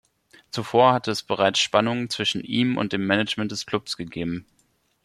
Zuvor hatte es bereits Spannungen zwischen ihm und dem Management des Clubs gegeben.